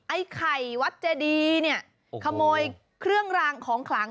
ไอ้ไข่วัตรแจดีขโมยเครื่องรางของขรัง